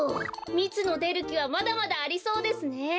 みつのでるきはまだまだありそうですね。